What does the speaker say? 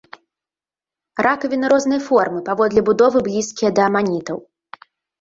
Ракавіны рознай формы, паводле будовы блізкія да аманітаў.